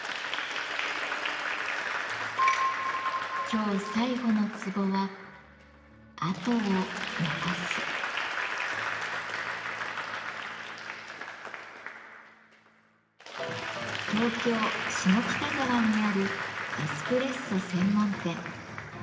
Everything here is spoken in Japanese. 今日最後のツボは東京・下北沢にあるエスプレッソ専門店。